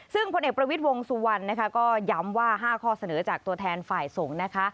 ซึ่งพลเอกประวิทย์วงสุวรรณนะคะก็ย้ำว่า๕ข้อเสนอจากตัวแทนฝ่ายสงฆ์นะคะ